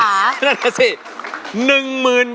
นั่นเนี่ยสิ